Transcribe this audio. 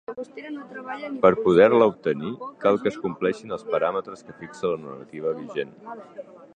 Per poder-la obtenir, cal que es compleixin els paràmetres que fixa la normativa vigent.